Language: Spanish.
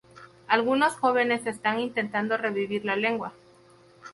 Algunos jóvenes están intentando revivir la lengua.